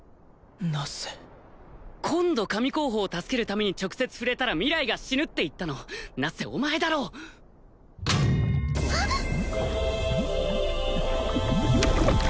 ナッセ今度神候補を助けるために直接触れたら明日が死ぬって言ったのナッセお前だろあっ！